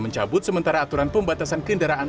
mencabut sementara aturan pembatasan kendaraan